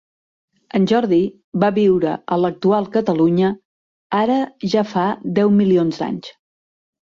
En Jordi va viure a l'actual Catalunya ara ja fa deu milions d’anys.